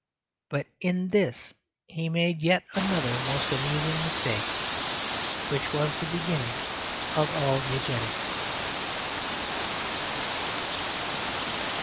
But in this he made yet another most amusing mistake, which was the beginning of all Eugenics.